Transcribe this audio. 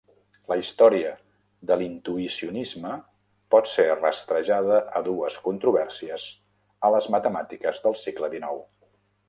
La història de l'Intuïcionisme pot ser rastrejada a dues controvèrsies a les matemàtiques de segle XIX.